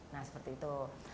nah seperti itu